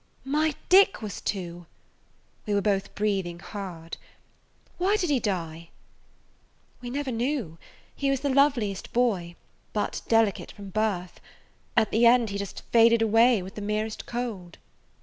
"My Dick was two." We both were breathing hard. "Why did he die?" "We never knew. He was the loveliest boy, but delicate from his birth. At the end he just faded away, with the merest cold."